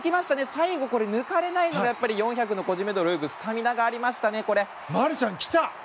最後、抜かれないのは４００ｍ個人メドレーを泳ぐスタミナがありましたね。